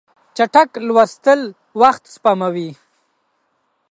چټک لوستل وخت سپموي.